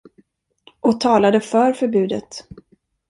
Och talade för förbudet.